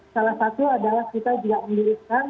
salah satu adalah kita juga mendirikan